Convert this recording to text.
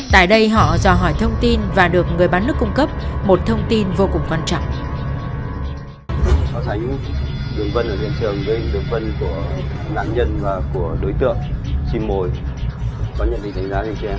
tại đây họ do hỏi thông tin và được người bán nước cung cấp một thông tin vô cùng quan trọng